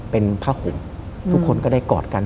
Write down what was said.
เป็นผ้าห่มทุกคนก็ได้กอดกัน